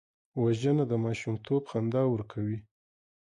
وژنه د ماشومتوب خندا ورکوي